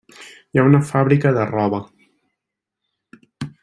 Hi ha una fàbrica de roba.